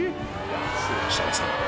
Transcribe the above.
設楽さん